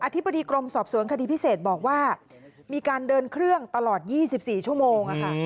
ธิบดีกรมสอบสวนคดีพิเศษบอกว่ามีการเดินเครื่องตลอด๒๔ชั่วโมง